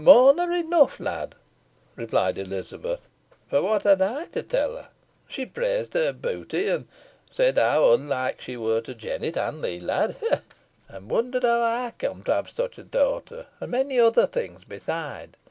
"More nor enough, lad," replied Elizabeth; "fo what had ey to tell her? She praised her beauty, an said how unlike she wur to Jennet an thee, lad ha! ha! An wondert how ey cum to ha such a dowter, an monny other things besoide.